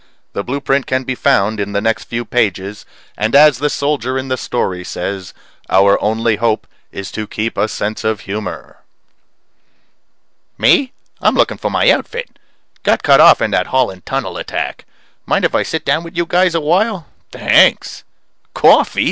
The blueprint can be found in the next few pages; and as the soldier in the story says, our only hope is to keep a sense of humor!_ Me? I'm looking for my outfit. Got cut off in that Holland Tunnel attack. Mind if I sit down with you guys a while? Thanks. Coffee?